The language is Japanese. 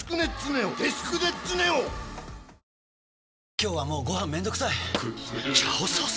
今日はもうご飯めんどくさい「炒ソース」！？